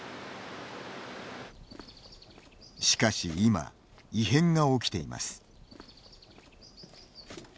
しかし今、異変が起きています。